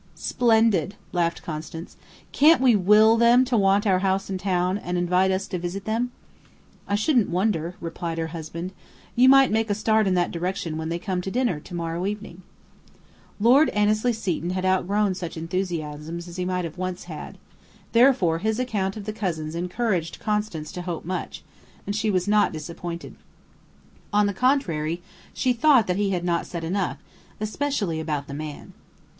"Splendid!" laughed Constance. "Can't we will them to want our house in town, and invite us to visit them?" "I shouldn't wonder," replied her husband. "You might make a start in that direction when they come to dinner to morrow evening." Lord Annesley Seton had outgrown such enthusiasms as he might once have had, therefore his account of the cousins encouraged Constance to hope much, and she was not disappointed. On the contrary, she thought that he had not said enough, especially about the man.